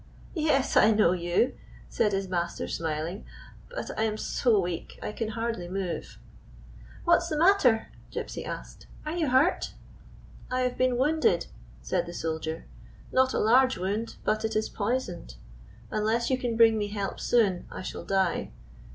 " Yes, I know you," said his master, smiling. " But I am so weak I can hardly move." " What 's the matter ?" Gypsy asked. "Are you hurt?" "I have been wounded," said the soldier; "not a large wound, but it is poisoned. Unless you can bring me help soon I shall die.